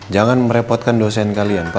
jangan merepotkan dosen kalian pak